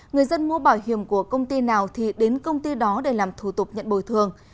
người dân mua bảo hiểm của công ty nào thì đến công ty đó để làm thủ tục nhận bồi thường